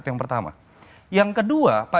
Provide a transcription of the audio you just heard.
yang kedua pak jokowi